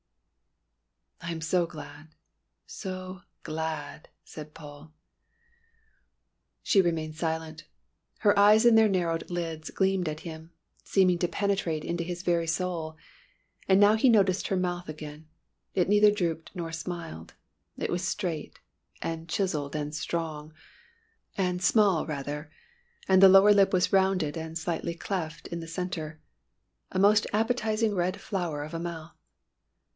"I am so glad so glad," said Paul. She remained silent. Her eyes in their narrowed lids gleamed at him, seeming to penetrate into his very soul. And now he noticed her mouth again. It neither drooped nor smiled, it was straight, and chiselled and strong, and small rather, and the lower lip was rounded and slightly cleft in the centre. A most appetising red flower of a mouth.